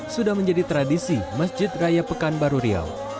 sudah menjadi tradisi masjid raya pekan baru riau